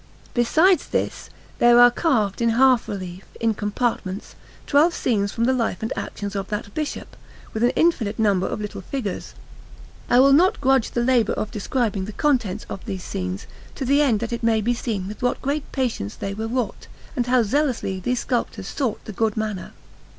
Besides this, there are carved in half relief, in compartments, twelve scenes from the life and actions of that Bishop, with an infinite number of little figures. I will not grudge the labour of describing the contents of these scenes, to the end that it may be seen with what great patience they were wrought, and how zealously these sculptors sought the good manner.